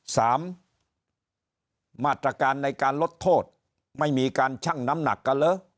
สามมาตรการในการลดโทษไม่มีการชั่งน้ำหนักกันเหรอ